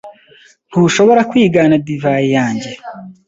Ntushobora kwigana divayi yanjye?